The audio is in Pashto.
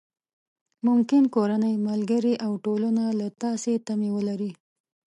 ممکن کورنۍ، ملګري او ټولنه له تاسې تمې ولري.